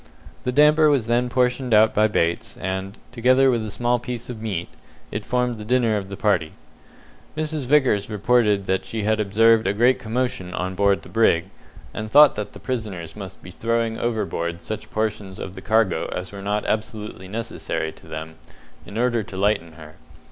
The damper was then portioned out by Bates, and, together with a small piece of meat, it formed the dinner of the party. Mrs. Vickers reported that she had observed a great commotion on board the brig, and thought that the prisoners must be throwing overboard such portions of the cargo as were not absolutely necessary to them, in order to lighten her.